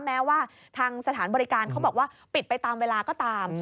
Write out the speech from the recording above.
แม้ว่าทางสถานบริการเขาบอกว่าปิดไปตามเวลาก็ตาม